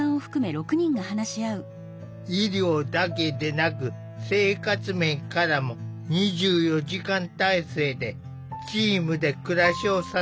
医療だけでなく生活面からも２４時間体制でチームで暮らしを支えている。